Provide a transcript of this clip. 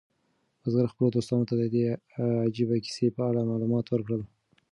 بزګر خپلو دوستانو ته د دې عجیبه کیسې په اړه معلومات ورکړل.